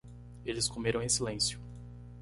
Eles comeram em silêncio.